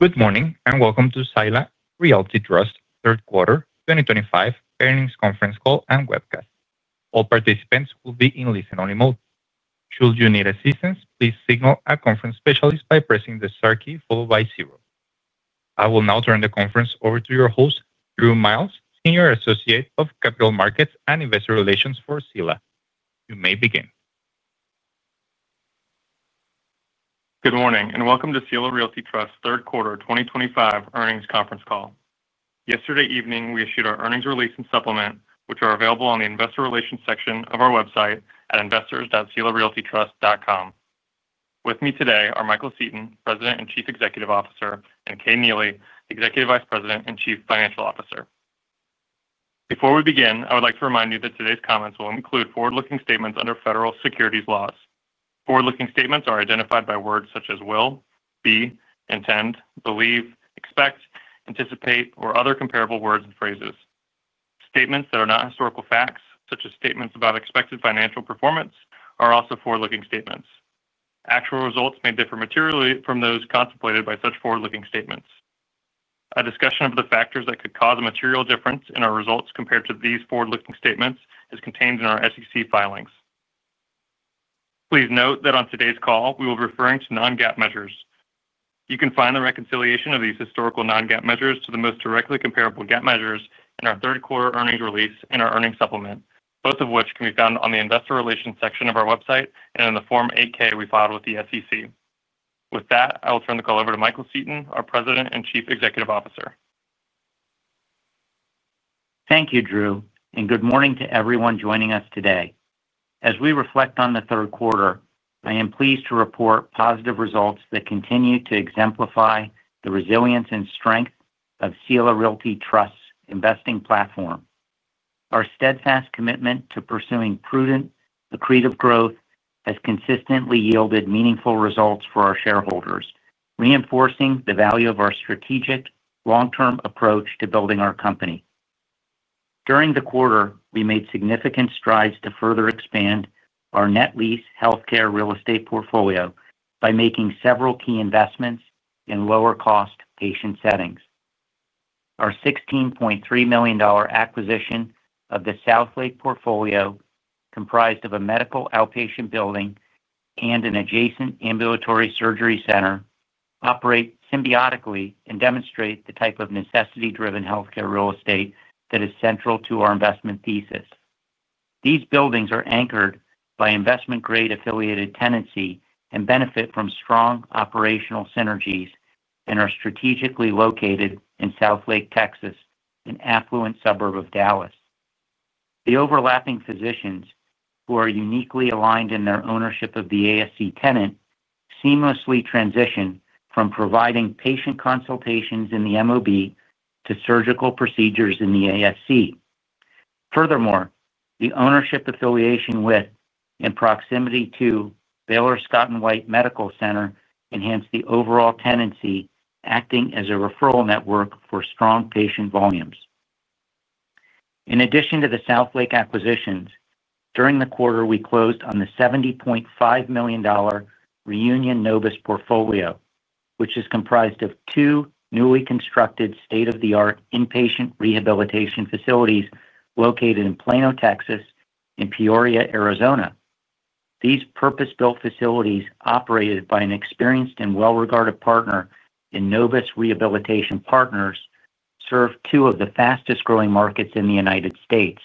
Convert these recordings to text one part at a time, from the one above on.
Good morning and welcome to Sila Realty Trust, Third Quarter 2025, earnings conference call and webcast. All participants will be in listen-only mode. Should you need assistance, please signal a conference specialist by pressing the star key followed by zero. I will now turn the conference over to your host, Drew Miles, Senior Associate of Capital Markets and Investor Relations for Sila. You may begin. Good morning and welcome to Sila Realty Trust, Third Quarter 2025, earnings conference call. Yesterday evening, we issued our earnings release and supplement, which are available on the Investor Relations section of our website at investors.sila-realtytrust.com. With me today are Michael Seton, President and Chief Executive Officer, and Kay Neely, Executive Vice President and Chief Financial Officer. Before we begin, I would like to remind you that today's comments will include forward-looking statements under federal securities laws. Forward-looking statements are identified by words such as will, be, intend, believe, expect, anticipate, or other comparable words and phrases. Statements that are not historical facts, such as statements about expected financial performance, are also forward-looking statements. Actual results may differ materially from those contemplated by such forward-looking statements. A discussion of the factors that could cause a material difference in our results compared to these forward-looking statements is contained in our SEC Filings. Please note that on today's call, we will be referring to non-GAAP measures. You can find the reconciliation of these historical non-GAAP measures to the most directly comparable GAAP Measures in our Third Quarter Earnings Release and our Earnings Supplement, both of which can be found on the Investor Relations section of our website and in the Form 8-K we filed with the SEC. With that, I will turn the call over to Michael Seton, our President and Chief Executive Officer. Thank you, Drew, and good morning to everyone joining us today. As we reflect on the Third Quarter, I am pleased to report positive results that continue to exemplify the resilience and strength of Sila Realty Trust's investing platform. Our steadfast commitment to pursuing prudent, accretive growth has consistently yielded meaningful results for our Shareholders, reinforcing the value of our strategic, long-term approach to building our company. During the quarter, we made significant strides to net lease healthcare Real Estate portfolio by making several key investments in lower-cost patient settings. Our $16.3 million acquisition of the Southlake Portfolio, comprised of a Medical Outpatient Building and an adjacent Ambulatory Surgery Center, operates symbiotically and demonstrates the type of healthcare Real Estate that is central to our Investment Thesis. These buildings are anchored by Investment-Grade Affiliated Tenancy and benefit from strong operational synergies, and are strategically located in Southlake, Texas, an affluent suburb of Dallas. The overlapping physicians, who are uniquely aligned in their ownership of the ASC Tenant, seamlessly transition from providing patient consultations in the MOB to surgical procedures in the ASC. Furthermore, the ownership affiliation with and proximity to Baylor Scott & White Medical Center enhance the overall Tenancy, acting as a referral network for strong patient volumes. In addition to the Southlake Acquisitions, during the quarter, we closed on the $70.5 million. Reunion Novus Portfolio, which is comprised of two newly constructed state-of-the-art inpatient rehabilitation facilities located in Plano, Texas, and Peoria, Arizona. These purpose-built facilities, operated by an experienced and well-regarded partner in Novus Rehabilitation Partners, serve two of the fastest-growing markets in the United States.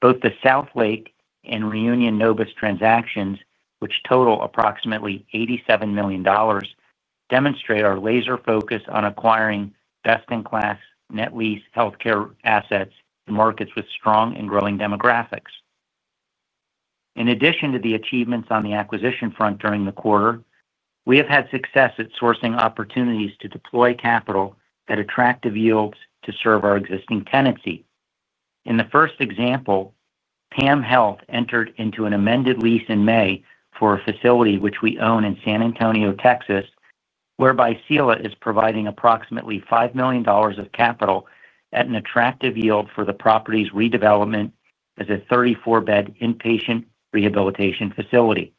Both the Southlake and Reunion Novus transactions, which total approximately $87 million, demonstrate our laser focus on acquiring best-in-class Net Lease Healthcare Assets in markets with strong and growing demographics. In addition to the achievements on the acquisition front during the quarter, we have had success at sourcing opportunities to deploy capital at attractive Yields to serve our existing Tenancy. In the first example, PAM Health entered into an amended lease in May for a facility which we own in San Antonio, Texas, whereby Sila is providing approximately $5 million of capital at an attractive yield for the property's redevelopment as a 34-Bed Inpatient Rehabilitation Facility.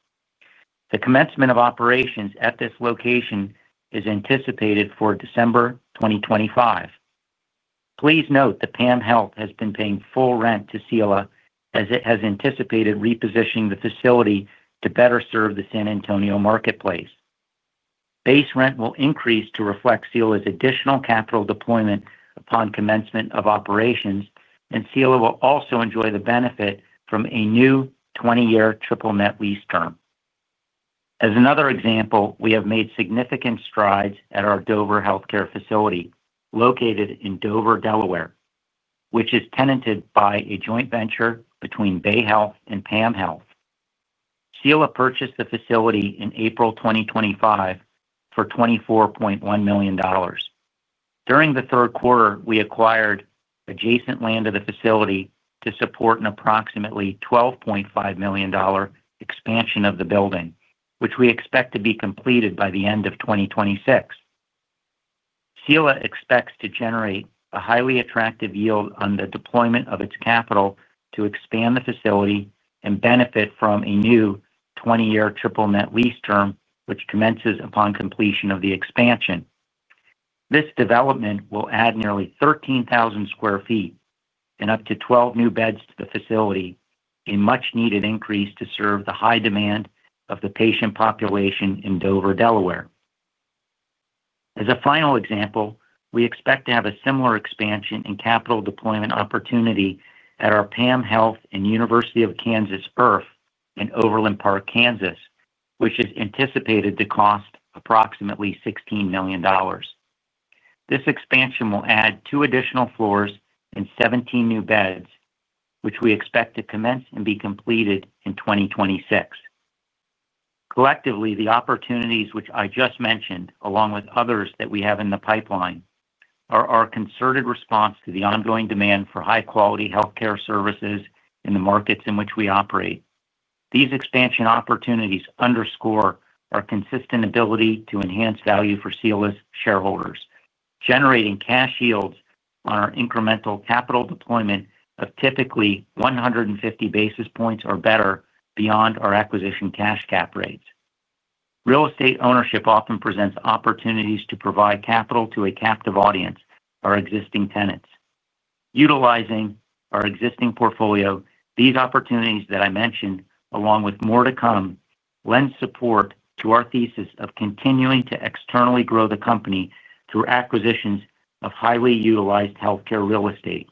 The commencement of operations at this location is anticipated for December 2025. Please note that PAM Health has been paying full rent to Sila as it has anticipated repositioning the facility to better serve the San Antonio Marketplace. Base rent will increase to reflect Sila's additional Capital Deployment upon commencement of operations, and Sila will also enjoy the benefit from a new 20-Year Triple Net Lease Term. As another example, we have made significant strides at our Dover Healthcare Facility located in Dover, Delaware, which is tenanted by a joint venture between BayHealth and PAM Health. Sila purchased the facility in April 2025 for $24.1 million. During the Third Quarter, we acquired adjacent land to the facility to support an approximately $12.5 million. Expansion of the building, which we expect to be completed by the end of 2026. Sila expects to generate a highly attractive yield on the deployment of its Capital to expand the facility and benefit from a new 20-Year Triple Net Lease Term, which commences upon completion of the expansion. This development will add nearly 13,000 sq ft and up to 12 New Beds to the facility, a much-needed increase to serve the high demand of the patient population in Dover, Delaware. As a final example, we expect to have a similar expansion and Capital Deployment opportunity at our PAM Health and University of Kansas IRF in Overland Park, Kansas, which is anticipated to cost approximately $16 million. This expansion will add two additional floors and 17 New Beds, which we expect to commence and be completed in 2026. Collectively, the opportunities which I just mentioned, along with others that we have in the pipeline, are our concerted response to the ongoing demand for high-quality Healthcare Services in the markets in which we operate. These expansion opportunities underscore our consistent ability to enhance value for Sila's Shareholders, generating Cash Yields on our incremental Capital Deployment of typically 150 basis points or better beyond our acquisition Cash Cap Rates. Real Estate Ownership often presents opportunities to provide capital to a captive audience, our existing Tenants. Utilizing our existing portfolio, these opportunities that I mentioned, along with more to come, lend support to our thesis of continuing to externally grow the company through acquisitions of highly healthcare Real Estate.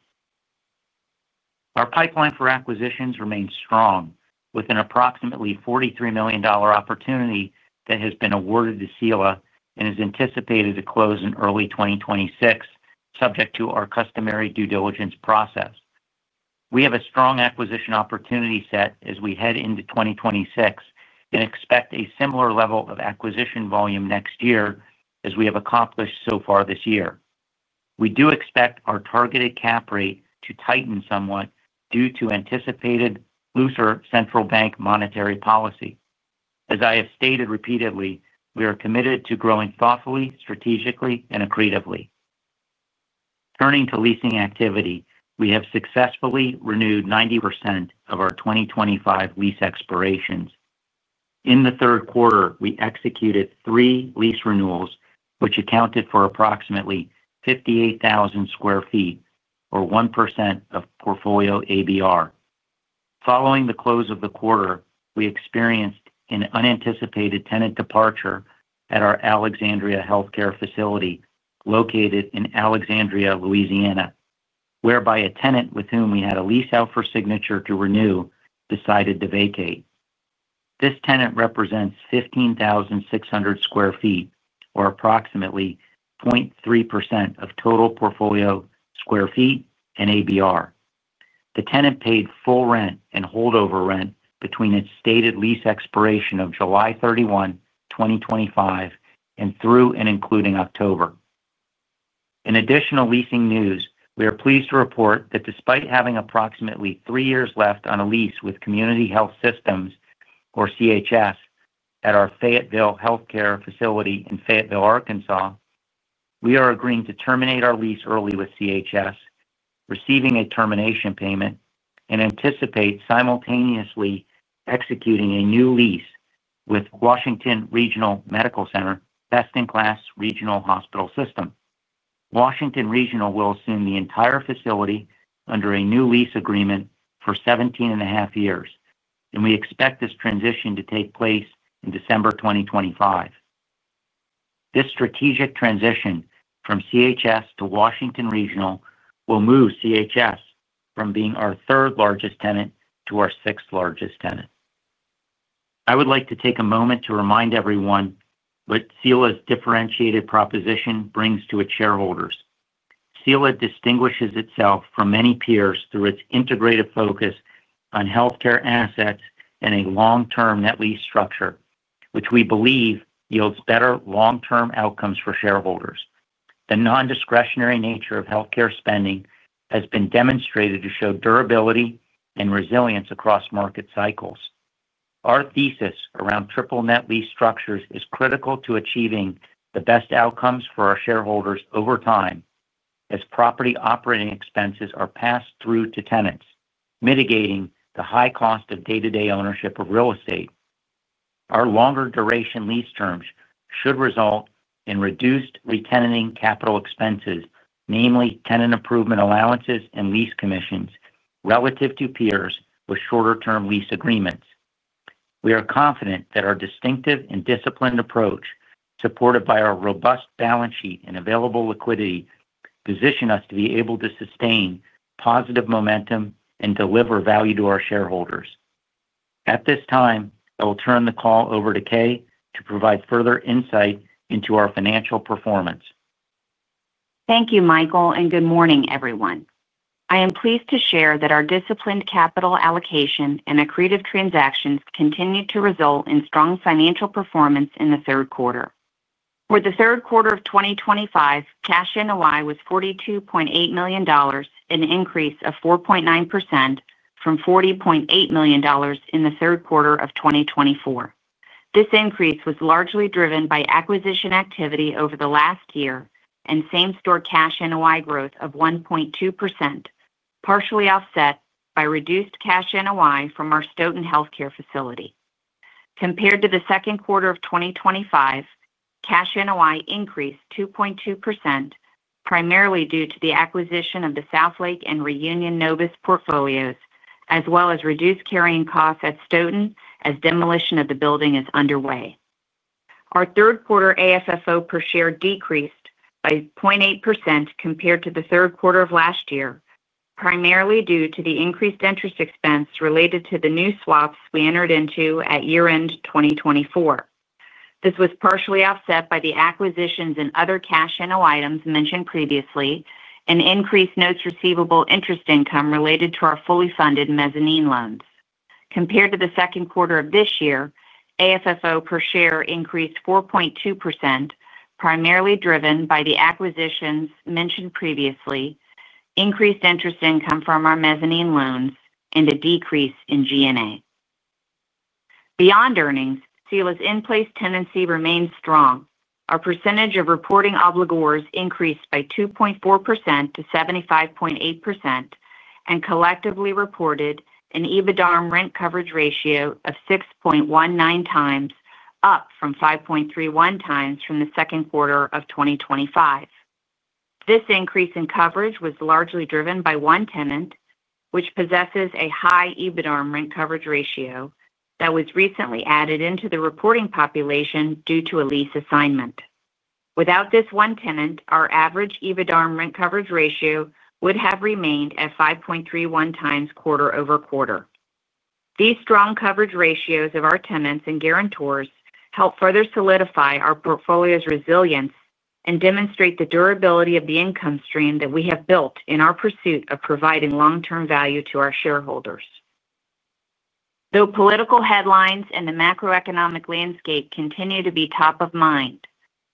our Pipeline for Acquisitions remains strong, with an approximately $43 million opportunity that has been awarded to Sila and is anticipated to close in early 2026, subject to our customary due diligence process. We have a strong acquisition opportunity set as we head into 2026 and expect a similar level of Acquisition Volume next year as we have accomplished so far this year. We do expect our targeted Cap Rate to tighten somewhat due to anticipated looser Central Bank Monetary Policy. As I have stated repeatedly, we are committed to growing thoughtfully, strategically, and accretively. Turning to Leasing Activity, we have successfully renewed 90% of our 2025 Lease Expirations. In the Third Quarter, we executed three lease renewals, which accounted for approximately 58,000 sq ft, or 1% of portfolio ABR. Following the close of the quarter, we experienced an unanticipated tenant departure at our Alexandria Healthcare Facility located in Alexandria, Louisiana, whereby a tenant with whom we had a lease offer signature to renew decided to vacate. This tenant represents 15,600 sq ft, or approximately 0.3% of total portfolio square feet and ABR. The tenant paid full rent and holdover rent between its stated lease expiration of July 31, 2025, and through and including October. In additional leasing news, we are pleased to report that despite having approximately three years left on a lease with Community Health Systems, or CHS, at our Fayetteville healthcare Facility in Fayetteville, Arkansas, we are agreeing to terminate our lease early with CHS, receiving a termination payment, and anticipate simultaneously executing a new lease with Washington Regional Medical Center, best-in-class regional hospital system. Washington Regional will assume the entire facility under a new lease agreement for 17 and a half years, and we expect this transition to take place in December 2025. This strategic transition from CHS to Washington Regional will move CHS from being our third-largest tenant to our sixth-largest tenant. I would like to take a moment to remind everyone what Sila's differentiated proposition brings to its Shareholders. Sila distinguishes itself from many peers through its integrated focus on Healthcare Assets and a long-term Net Lease Structure, which we believe Yields better long-term outcomes for Shareholders. The non-discretionary nature of healthcare spending has been demonstrated to show durability and resilience across market cycles. Our thesis around Triple Net Lease Structures is critical to achieving the best outcomes for our Shareholders over time as Property Operating Expenses are passed through to tenants, mitigating the high cost of day-to-day Ownership of Real Estate. Our longer duration lease terms should result in reduced re-tenanting capital expenses, namely Tenant Improvement Allowances and Lease Commissions, relative to peers with shorter-term Lease Agreements. We are confident that our distinctive and disciplined approach, supported by our robust Balance Sheet and available liquidity, positions us to be able to sustain positive momentum and deliver value to our Shareholders. At this time, I will turn the call over to Kay to provide further insight into our financial performance. Thank you, Michael, and good morning, everyone. I am pleased to share that our disciplined capital allocation and accretive transactions continue to result in strong financial performance in the Third Quarter. For the Third Quarter of 2025, Cash NOI was $42.8 million, an increase of 4.9% from $40.8 million in the Third Quarter of 2024. This increase was largely driven by acquisition activity over the last year and Same-Store Cash NOI growth of 1.2%. Partially offset by reduced Cash NOI from our Stoughton Healthcare facility. Compared to the Second Quarter of 2025, Cash NOI increased 2.2%. Primarily due to the acquisition of the Southlake and Reunion Novus portfolios, as well as reduced Carrying costs at Stoughton as demolition of the building is underway. Our Third-Quarter AFFO per Share decreased by 0.8% compared to the Third Quarter of last year, primarily due to the increased Interest Expense related to the new swaps we entered into at year-end 2024. This was partially offset by the acquisitions and other Cash NOI items mentioned previously and increased notes receivable interest income related to our fully funded Mezzanine Loans. Compared to the Second Quarter of this year, AFFO per Share increased 4.2%. Primarily driven by the acquisitions mentioned previously, increased interest income from our Mezzanine Loans, and a decrease in G&A. Beyond earnings, Sila's in-place Tenancy remains strong. Our percentage of reporting obligors increased by 2.4% to 75.8% and collectively reported an EBITDA Rent Coverage Ratio of 6.19 times, up from 5.31 times from the Second Quarter of 2025. This increase in coverage was largely driven by one tenant, which possesses a high EBITDA Rent Coverage Ratio that was recently added into the reporting population due to a lease assignment. Without this one tenant, our average EBITDA Rent Coverage Ratio would have remained at 5.31 times quarter over quarter. These strong coverage ratios of our tenants and guarantors help further solidify our portfolio's resilience and demonstrate the durability of the income stream that we have built in our pursuit of providing long-term value to our Shareholders. Though political headlines and the macroeconomic landscape continue to be top of mind,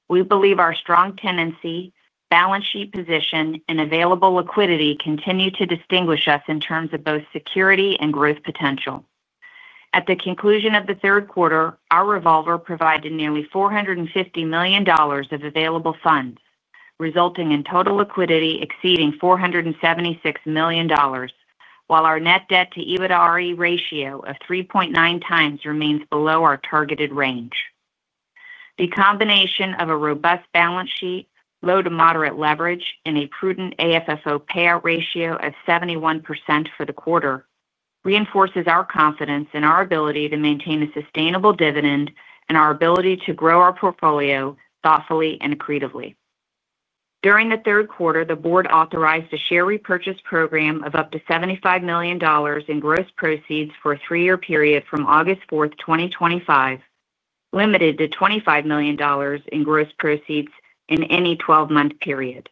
we believe our strong Tenancy, Balance Sheet position, and available liquidity continue to distinguish us in terms of both security and growth potential. At the conclusion of the Third Quarter, our Revolver provided nearly $450 million of available funds, resulting in total liquidity exceeding $476 million, while Net Debt-to-EBITDA Ratio of 3.9 times remains below our targeted range. The combination of a robust Balance Sheet, low to moderate leverage, and a prudent AFFO Payout Ratio of 71% for the quarter reinforces our confidence in our ability to maintain a sustainable dividend and our ability to grow our portfolio thoughtfully and accretively. During the Third Quarter, the board authorized a Share Repurchase Program of up to $75 million in gross proceeds for a three-year period from August 4, 2025. Limited to $25 million in gross proceeds in any 12-month period.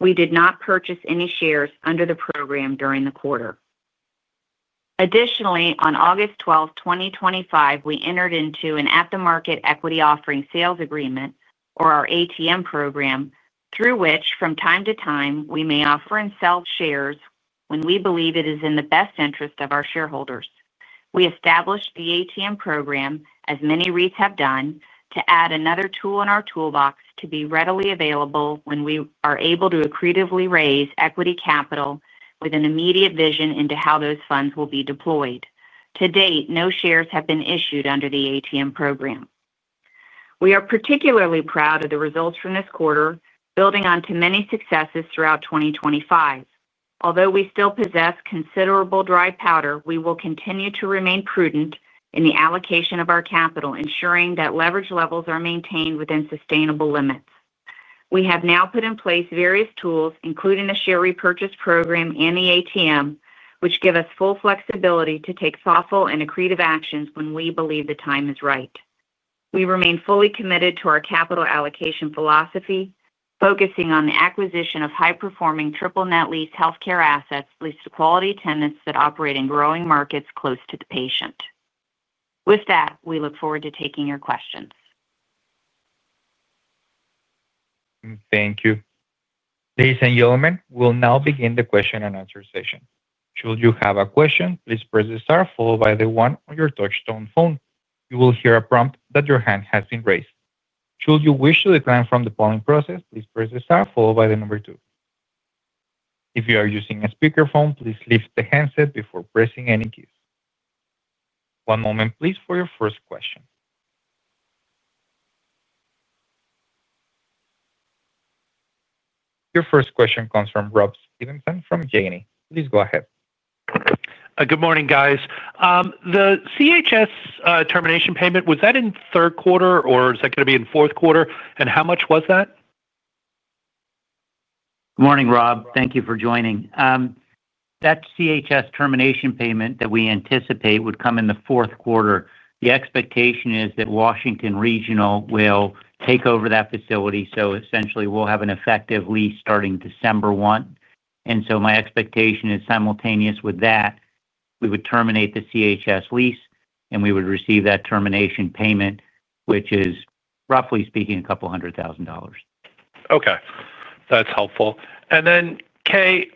We did not purchase any shares under the program during the quarter. Additionally, on August 12, 2025, we entered into an At-the-Market Equity Offering Sales Agreement, or our ATM Program, through which from time to time we may offer and sell shares when we believe it is in the best interest of our Shareholders. We established the ATM Program, as many REITs have done, to add another tool in our toolbox to be readily available when we are able to accretively raise Equity Capital with an immediate vision into how those funds will be deployed. To date, no shares have been issued under the ATM Program. We are particularly proud of the results from this quarter, building on to many successes throughout 2025. Although we still possess considerable dry powder, we will continue to remain prudent in the allocation of our capital, ensuring that Leverage Levels are maintained within sustainable limits. We have now put in place various tools, including the Share Repurchase Program and the ATM, which give us full flexibility to take thoughtful and accretive actions when we believe the time is right. We remain fully committed to our capital allocation philosophy, focusing on the acquisition of high-performing Triple Net Lease Healthcare Assets leased to quality tenants that operate in growing markets close to the patient. With that, we look forward to taking your questions. Thank you. Ladies and gentlemen, we'll now begin the question and answer session. Should you have a question, please press the star followed by the one on your touchstone phone. You will hear a prompt that your hand has been raised. Should you wish to decline from the polling process, please press the star followed by the number two. If you are using a speakerphone, please lift the handset before pressing any keys. One moment, please, for your first question. Your first question comes from Rob Stevenson from Janney. Please go ahead. Good morning, guys. The CHS termination payment, was that in Third Quarter or is that going to be in fourth quarter? And how much was that? Good morning, Rob. Thank you for joining. That CHS termination payment that we anticipate would come in the fourth quarter. The expectation is that Washington Regional will take over that facility. So essentially, we'll have an effective lease starting December 1. And so my expectation is simultaneous with that, we would terminate the CHS lease and we would receive that termination payment, which is, roughly speaking, a couple hundred thousand dollars. Okay. That's helpful. And then, Kay.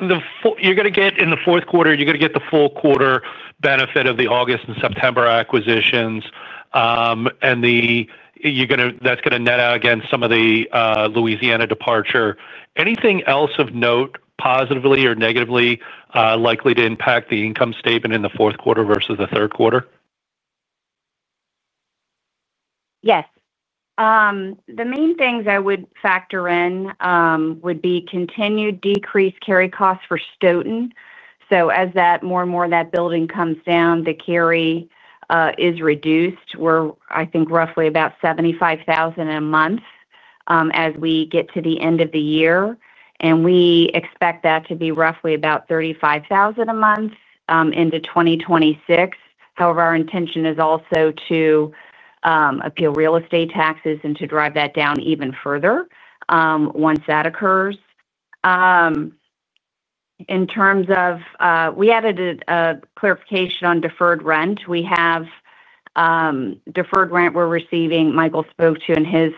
You're going to get in the fourth quarter, you're going to get the full quarter benefit of the August and September acquisitions. And that's going to net out against some of the Louisiana departure. Anything else of note, positively or negatively, likely to impact the Income Statement in the fourth quarter versus the Third Quarter? Yes. The main things I would factor in would be continued decreased Carry Costs for Stoughton. So as more and more of that building comes down, the Carry is reduced. We're, I think, roughly about 75,000 a month. As we get to the end of the year, and we expect that to be roughly about 35,000 a month into 2026. However, our intention is also to. Real Estate taxes and to drive that down even further. Once that occurs. In terms of we added a clarification on Deferred Rent. We have. Deferred Rent we're receiving, Michael spoke to in his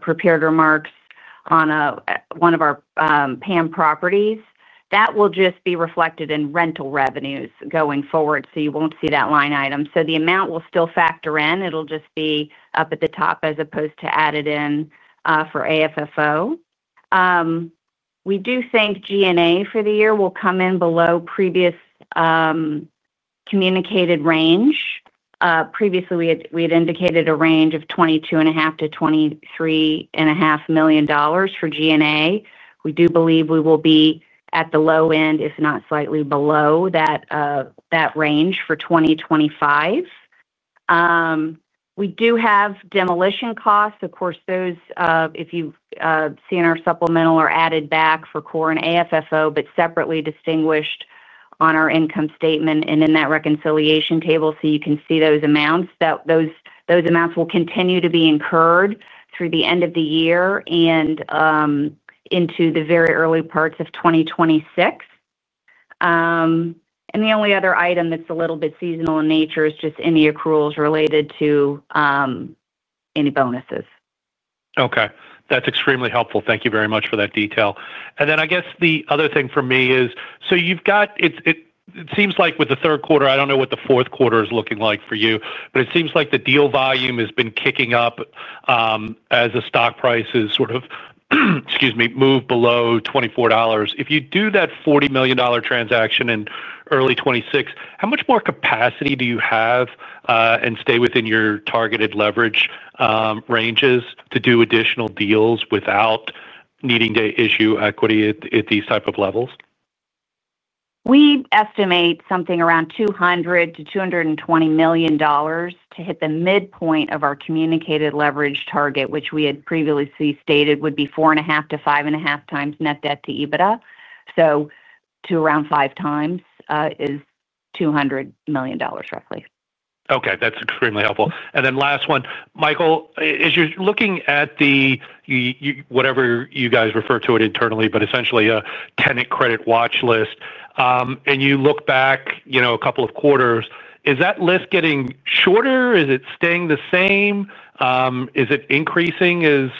prepared remarks on one of our PAM Properties. That will just be reflected in Rental Revenues going forward, so you won't see that line item. So the amount will still factor in. It'll just be up at the top as opposed to added in for AFFO. We do think G&A for the year will come in below previous. Communicated range. Previously, we had indicated a range of 22.5 to 23.5 million dollars for G&A. We do believe we will be at the low end, if not slightly below, that. Range for 2025. We do have Demolition Costs. Of course, those, if you've seen our Supplemental, are added back for Core and AFFO, but separately distinguished on our Income Statement and in that Reconciliation Table, so you can see those amounts. Those amounts will continue to be incurred through the end of the year and. Into the very early parts of 2026. And the only other item that's a little bit seasonal in nature is just any accruals related to. Any Bonuses. Okay. That's extremely helpful. Thank you very much for that detail. And then I guess the other thing for me is, so you've got. It seems like with the Third Quarter, I don't know what the fourth quarter is looking like for you, but it seems like the deal volume has been kicking up. As the stock price has sort of. Excuse me, moved below $24. If you do that $40 million transaction in early 2026, how much more capacity do you have. And stay within your targeted leverage. Ranges to do additional deals without needing to issue equity at these type of levels? We estimate something around $200-$220 million to hit the midpoint of our communicated leverage target, which we had previously stated would be 4.5-5.5 times Net Debt to EBITDA. So to around five times is $200 million, roughly. Okay. That's extremely helpful. And then last one, Michael, as you're looking at the. Whatever you guys refer to it internally, but essentially a tenant Credit Watch List. And you look back a couple of quarters, is that list getting shorter? Is it staying the same? Is it increasing as.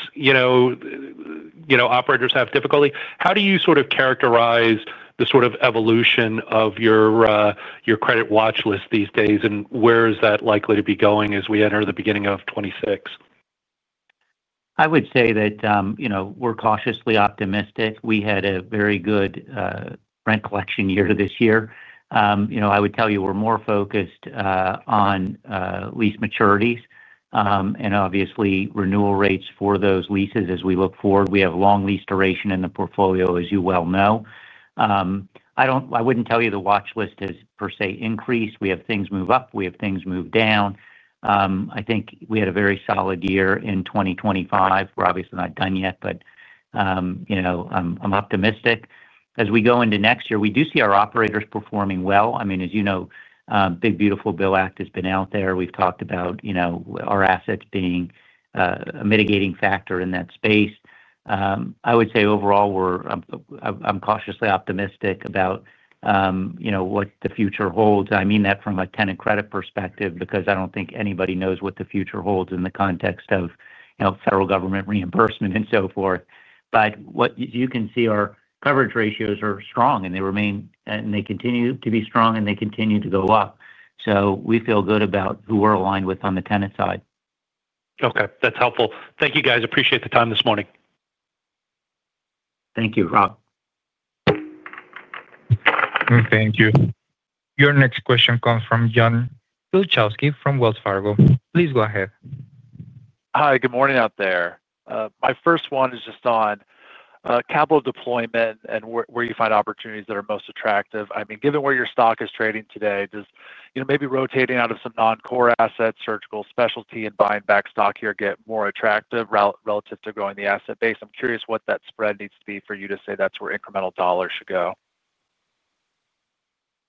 Operators have difficulty? How do you sort of characterize the sort of evolution of your. Credit Watch List these days? And where is that likely to be going as we enter the beginning of 2026? I would say that. We're cautiously optimistic. We had a very good. Rent Collection Year this year. I would tell you we're more focused on. Lease maturities. And obviously, Renewal Rates for those Leases as we look forward. We have long Lease Duration in the Portfolio, as you well know. I wouldn't tell you the Watch List has per se increased. We have things move up. We have things move down. I think we had a very solid year in 2025. We're obviously not done yet, but. I'm optimistic. As we go into next year, we do see our operators performing well. I mean, as you know, Big Beautiful Bill Act has been out there. We've talked about. Our assets being. A mitigating factor in that space. I would say overall, I'm cautiously optimistic about. What the future holds. I mean that from a tenant credit perspective because I don't think anybody knows what the future holds in the context of. Federal government reimbursement and so forth. But what you can see, our coverage ratios are strong, and they remain and they continue to be strong, and they continue to go up. So we feel good about who we're aligned with on the tenant side. Okay. That's helpful. Thank you, guys. Appreciate the time this morning. Thank you, Rob. Thank you. Your next question comes from John Wilczewski from Wells Fargo. Please go ahead. Hi. Good morning out there. My first one is just on. Capital Deployment and where you find opportunities that are most attractive. I mean, given where your stock is trading today, does maybe rotating out of some non-core assets, surgical specialty, and buying back stock here get more attractive relative to growing the asset base? I'm curious what that spread needs to be for you to say that's where incremental dollars should go.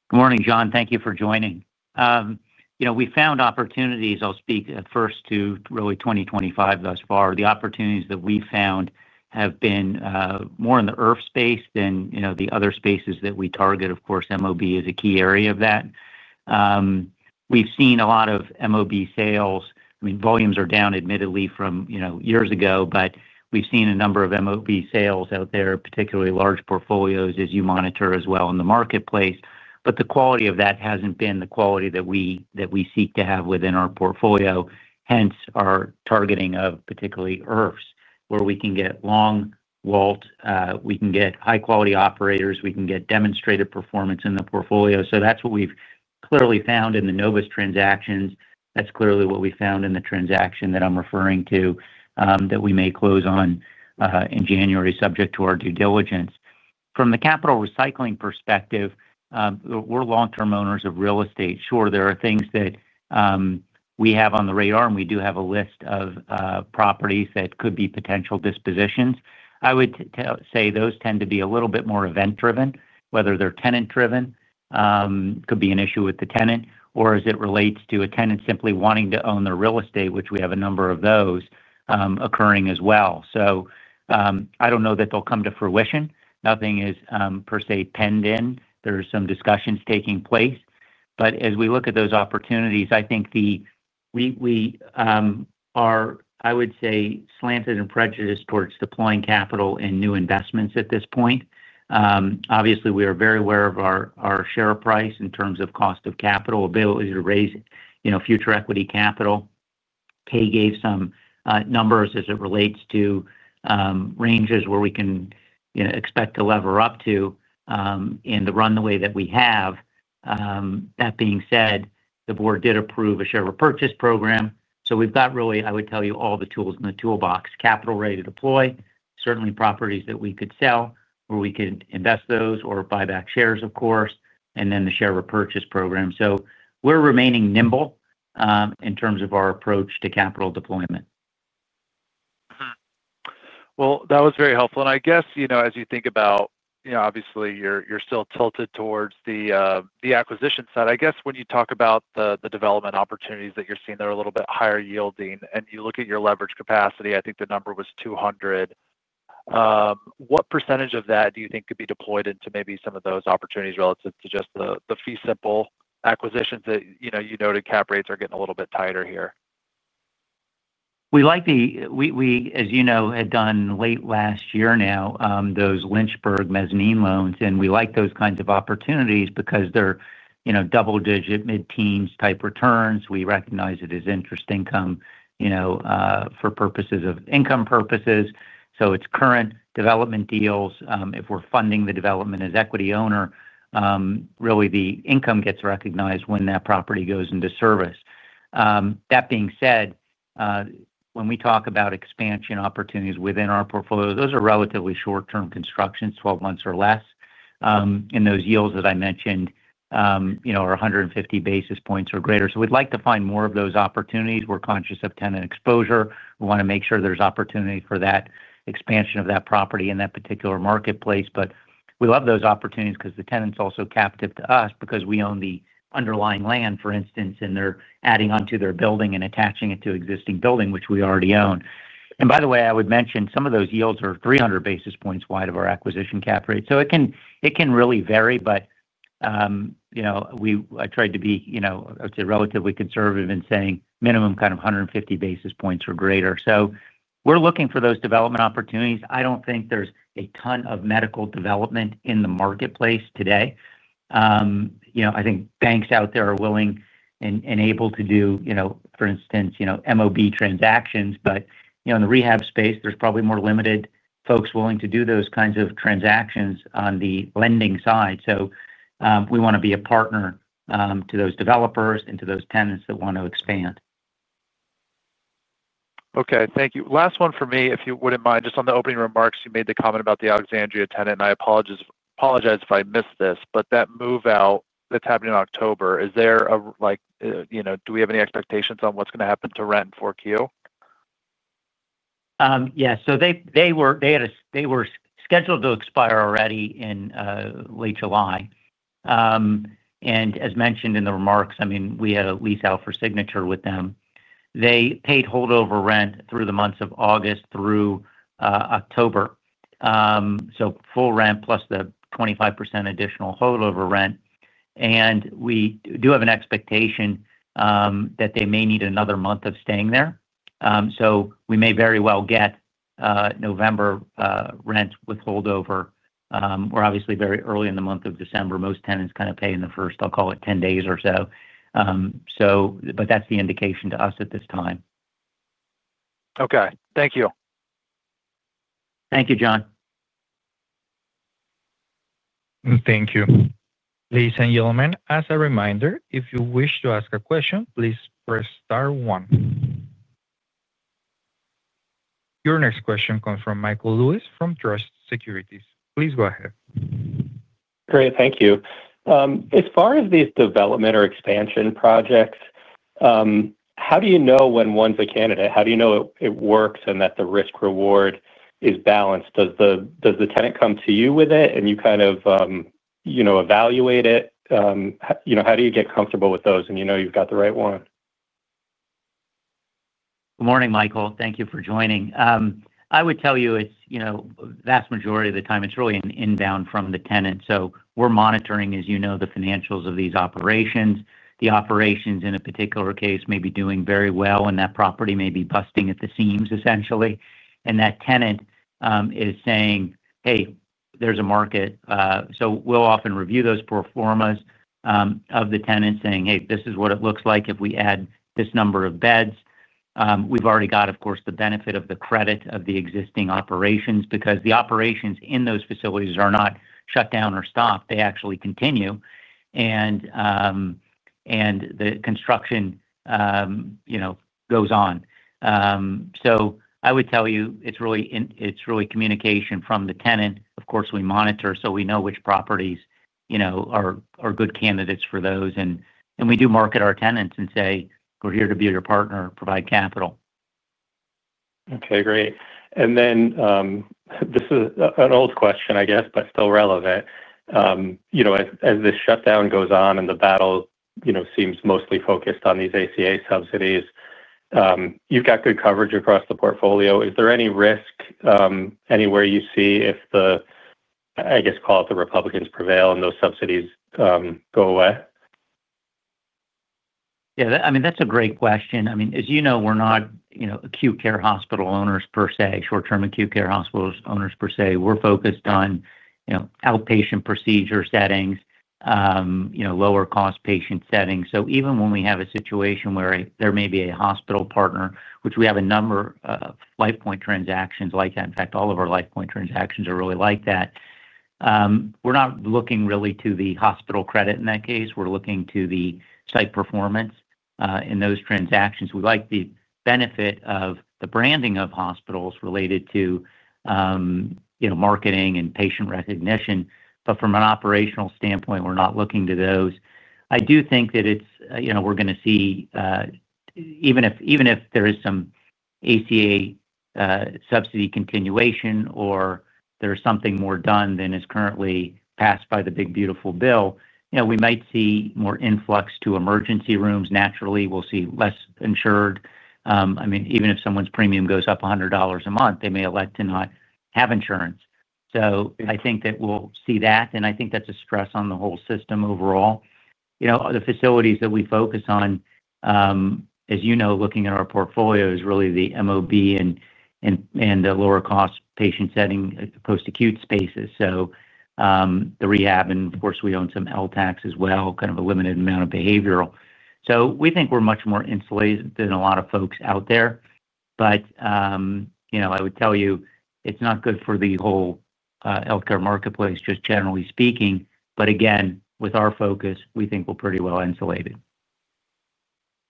Good morning, John. Thank you for joining. We found opportunities. I'll speak at first to really 2025 thus far. The opportunities that we found have been more in the IRF Space than the other spaces that we target. Of course, MOB is a key area of that. We've seen a lot of MOB Sales. I mean, volumes are down, admittedly, from years ago, but we've seen a number of MOB Sales out there, particularly large portfolios, as you monitor as well in the marketplace. But the quality of that hasn't been the quality that we seek to have within our portfolio, hence our targeting of particularly IRFs, where we can get long vault, we can get high-quality operators, we can get Demonstrated Performance in the Portfolio. So that's what we've clearly found in the Novus Transactions. That's clearly what we found in the transaction that I'm referring to. That we may close on. In January, subject to our due diligence. From the Capital Recycling Perspective. We're long-term owners of Real Estate. Sure, there are things that. We have on the Radar, and we do have a list of Properties that could be potential dispositions. I would say those tend to be a little bit more event-driven, whether they're Tenant-Driven. It could be an issue with the Tenant, or as it relates to a tenant simply wanting to own their Real Estate, which we have a number of those occurring as well. So. I don't know that they'll come to fruition. Nothing is per se penned in. There are some discussions taking place. But as we look at those opportunities, I think we. Are, I would say, slanted and prejudiced towards deploying capital in new investments at this point. Obviously, we are very aware of our share price in terms of cost of capital, ability to raise future equity capital. Kay gave some numbers as it relates to. Ranges where we can expect to lever up to. In the runway that we have. That being said, the board did approve a share of purchase program. So we've got really, I would tell you, all the tools in the toolbox: capital ready to deploy, certainly properties that we could sell or we could invest those or buy back shares, of course, and then the share of purchase program. So we're remaining nimble. In terms of our approach to Capital Deployment. Well, that was very helpful. And I guess as you think about. Obviously, you're still tilted towards the acquisition side. I guess when you talk about the development opportunities that you're seeing, they're a little bit higher yielding. And you look at your leverage capacity, I think the number was 200. What percentage of that do you think could be deployed into maybe some of those opportunities relative to just the fee simple acquisitions that you noted Cap Rates are getting a little bit tighter here? We like. As you know, had done late last year now, those Lynchburg Mezzanine Loans. And we like those kinds of opportunities because they're double-digit mid-teens type returns. We recognize it as interest income. For purposes of income purposes. So it's current development deals. If we're funding the development as equity owner. Really, the income gets recognized when that property goes into service. That being said. When we talk about expansion opportunities within our portfolio, those are relatively short-term constructions, 12 months or less. And those Yields that I mentioned. Are 150 basis points or greater. So we'd like to find more of those opportunities. We're conscious of tenant exposure. We want to make sure there's opportunity for that expansion of that property in that particular marketplace. But we love those opportunities because the tenant's also captive to us because we own the underlying land, for instance, and they're adding onto their building and attaching it to existing building, which we already own. And by the way, I would mention some of those Yields are 300 basis points wide of our acquisition Cap Rate. So it can really vary, but. I tried to be, I would say, relatively conservative in saying minimum kind of 150 basis points or greater. So we're looking for those development opportunities. I don't think there's a ton of medical development in the marketplace today. I think banks out there are willing and able to do, for instance, MOB transactions, but in the rehab space, there's probably more limited folks willing to do those kinds of transactions on the lending side. So we want to be a partner to those developers and to those tenants that want to expand. Okay. Thank you. Last one for me, if you wouldn't mind. Just on the opening remarks, you made the comment about the Alexandria tenant. And I apologize if I missed this, but that move out that's happening in October, is there. Do we have any expectations on what's going to happen to rent in 4Q? Yes. So they were scheduled to expire already in late July. And as mentioned in the remarks, I mean, we had a lease out for signature with them. They paid holdover rent through the months of August through. October. So full rent plus the 25% additional holdover rent. And we do have an expectation that they may need another month of staying there. So we may very well get. November. Rent with holdover. We're obviously very early in the month of December. Most tenants kind of pay in the first, I'll call it, 10 days or so. But that's the indication to us at this time. Okay. Thank you. Thank you, John. Thank you. Lisa and Yilman, as a reminder, if you wish to ask a question, please press star one. Your next question comes from Michael Lewis from Truist Securities. Please go ahead. Great. Thank you. As far as these development or expansion projects, how do you know when one's a candidate? How do you know it works and that the risk-reward is balanced? Does the tenant come to you with it, and you kind of. Evaluate it? How do you get comfortable with those and you know you've got the right one? Good morning, Michael. Thank you for joining. I would tell you it's the vast majority of the time, it's really an. Down from the tenant. So we're monitoring, as you know, the financials of these operations. The operations, in a particular case, may be doing very well, and that property may be busting at the seams, essentially. And that tenant is saying, "Hey, there's a market." So we'll often review those proformas of the tenant saying, "Hey, this is what it looks like if we add this number of beds." We've already got, of course, the benefit of the credit of the existing operations because the operations in those facilities are not shut down or stopped. They actually continue. And. The construction. Goes on. So I would tell you it's really. Communication from the tenant. Of course, we monitor so we know which properties. Are good candidates for those. And we do market our tenants and say, "We're here to be your partner, provide capital." Okay. Great. And then. This is an old question, I guess, but still relevant. As this shutdown goes on and the battle seems mostly focused on these ACA subsidies. You've got good coverage across the portfolio. Is there any risk anywhere you see if the. I guess, call it the Republicans prevail and those subsidies go away? Yeah. I mean, that's a great question. I mean, as you know, we're not acute care hospital owners per se, short-term acute care hospitals owners per se. We're focused on. Outpatient procedure settings, lower-cost patient settings. So even when we have a situation where there may be a hospital partner, which we have a number of LifePoint transactions like that, in fact, all of our LifePoint transactions are really like that. We're not looking really to the hospital credit in that case. We're looking to the site performance in those transactions. We like the benefit of the branding of hospitals related to. Marketing and patient recognition. But from an operational standpoint, we're not looking to those. I do think that we're going to see. Even if there is some ACA. Subsidy continuation or there's something more done than is currently passed by the Big Beautiful Bill, we might see more influx to emergency rooms. Naturally, we'll see less insured. I mean, even if someone's premium goes up $100 a month, they may elect to not have insurance. So I think that we'll see that. And I think that's a stress on the whole system overall. The facilities that we focus on. As you know, looking at our portfolio is really the MOB and. The lower-cost patient setting post-acute spaces. So. The rehab, and of course, we own some LTACs as well, kind of a limited amount of behavioral. So we think we're much more insulated than a lot of folks out there. But. I would tell you it's not good for the whole healthcare marketplace, just generally speaking. But again, with our focus, we think we're pretty well insulated.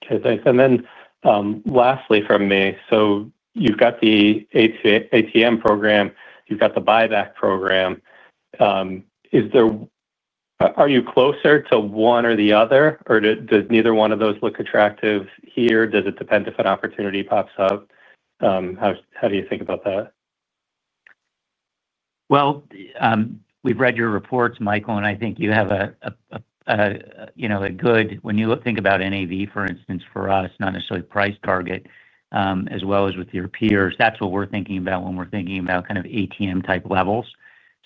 Okay. Thanks. And then lastly from me, so you've got the ATM program, you've got the buyback program. Are you closer to one or the other, or does neither one of those look attractive here? Does it depend if an opportunity pops up? How do you think about that? Well. We've read your reports, Michael, and I think you have a. Good when you think about NAV, for instance, for us, not necessarily price target, as well as with your peers. That's what we're thinking about when we're thinking about kind of ATM-type levels.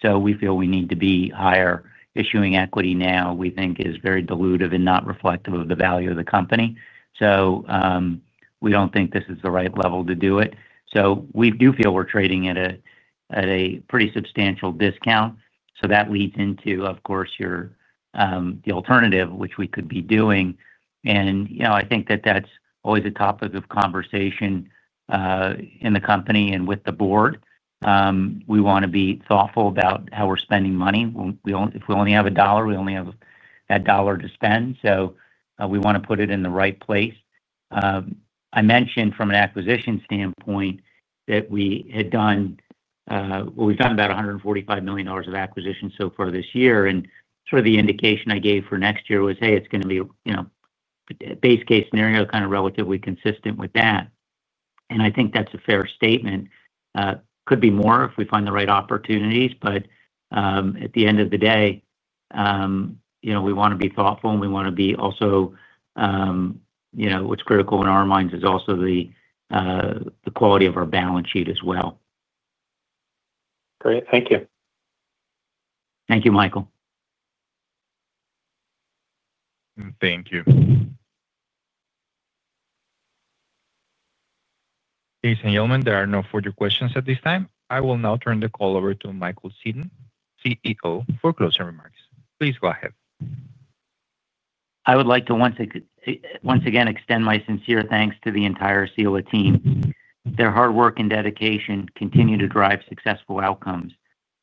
So we feel we need to be higher. Issuing equity now, we think, is very dilutive and not reflective of the value of the company. So. We don't think this is the right level to do it. So we do feel we're trading at. A pretty substantial discount. So that leads into, of course, the. Alternative, which we could be doing. And I think that that's always a topic of conversation. In the company and with the board. We want to be thoughtful about how we're spending money. If we only have a dollar, we only have that dollar to spend. So we want to put it in the right place. I mentioned from an acquisition standpoint that we had done. Well, we've done about $145 million of acquisition so far this year. And sort of the indication I gave for next year was, "Hey, it's going to be. A base case scenario kind of relatively consistent with that." And I think that's a fair statement. Could be more if we find the right opportunities. But at the end of the day. We want to be thoughtful, and we want to be also. What's critical in our minds is also the. Quality of our Balance Sheet as well. Great. Thank you. Thank you, Michael. Thank you. Ladies and Yilman, there are no further questions at this time. I will now turn the call over to Michael Seton, CEO, for closing remarks. Please go ahead. I would like to once again extend my sincere thanks to the entire Sila team. Their hard work and dedication continue to drive successful outcomes.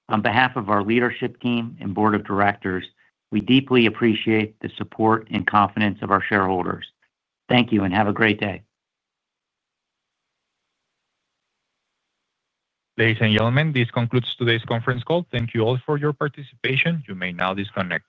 On behalf of our leadership team and board of directors, we deeply appreciate the support and confidence of our Shareholders. Thank you, and have a great day. Ladies and Gentlemen, this concludes today's conference call. Thank you all for your participation. You may now disconnect.